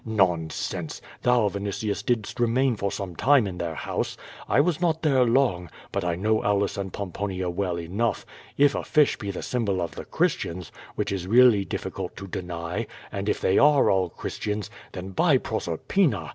Nonsense! Thou, Vini tius, didst remain for some time in their house. I was not there long, but I know Aulus and Pomponia well enough. If a fish be the symbol of the Christians, which is really diffi cult to deny, and if they are all Christians, then, by Proser pina!